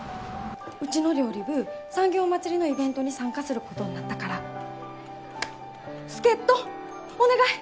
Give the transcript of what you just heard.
うちの料理部産業まつりのイベントに参加することになったから助っ人お願い！